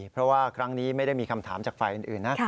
เพราะว่าครั้งนี้ไม่ได้มีคำถามจากฝ่ายอื่นนะ